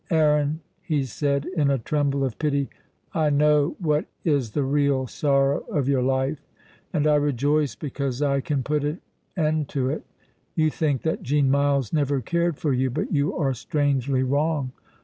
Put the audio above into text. "Aaron," he said, in a tremble of pity, "I know what is the real sorrow of your life, and I rejoice because I can put an end to it. You think that Jean Myles never cared for you; but you are strangely wrong.